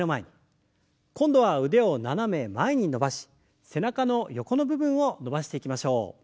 今度は腕を斜め前に伸ばし背中の横の部分を伸ばしていきましょう。